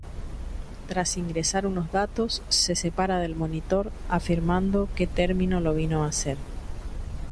Tras ingresar unos datos, se separa del monitor, afirmando que termino lo vino hacer.